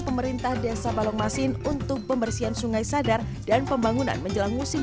pemerintah desa balong masin untuk pembersihan sungai sadar dan pembangunan menjelang musim